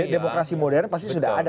demokrasi modern pasti sudah ada